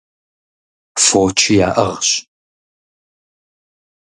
Фочи яӀыгъщ.